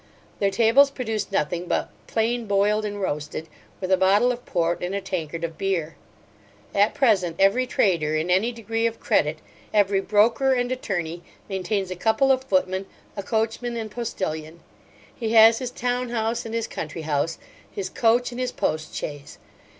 Their tables produced nothing but plain boiled and roasted, with a bottle of port and a tankard of beer. At present, every trader in any degree of credit, every broker and attorney, maintains a couple of footmen, a coachman, and postilion. He has his town house, and his country house, his coach, and his post chaise.